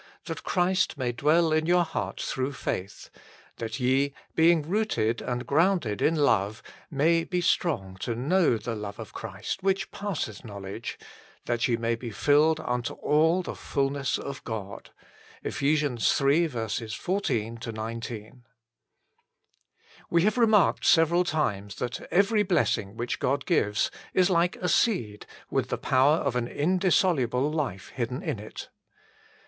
That Christ may dwell in your hearts through faith ; 3. That ye, being rooted and grounded in love, may be strong to know the love of Christ which passeth knowledge ; 4. That ye may be filled unto all the fulness of God. EPH. iii. 14 19. TT7E have remarked several times that every blessing which God gives is like a seed with the power of an indissoluble life hidden in it.